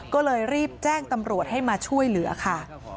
ก็เลยรีบแจ้งตำรวจให้มาช่วยเหลือค่ะ